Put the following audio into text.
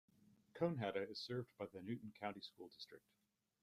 Conehatta is served by the Newton County School District.